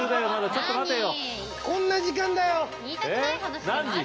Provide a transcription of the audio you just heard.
ちょっと待てよ。